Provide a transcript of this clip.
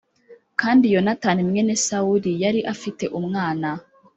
kandi yonatani mwene sawuli yari afite umwana